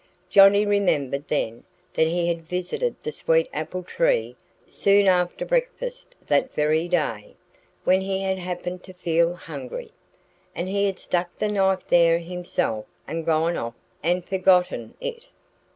Johnnie remembered then that he had visited the sweet apple tree soon after breakfast that very day, when he had happened to feel hungry. And he had stuck the knife there himself and gone off and forgotten it.